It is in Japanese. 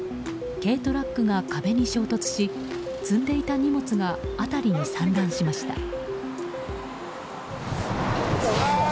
軽トラックが壁に衝突し積んでいた荷物が辺りに散乱しました。